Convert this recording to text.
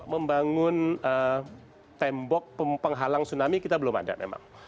membangun tembok penghalang tsunami kita belum ada memang